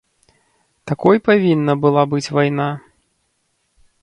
Такой павінна была быць вайна?